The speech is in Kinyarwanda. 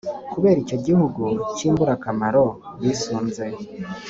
kubera icyo gihugu cy’imburakamaro bisunze,